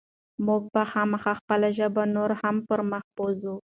موږ به خامخا خپله ژبه نوره هم پرمخ بوځو.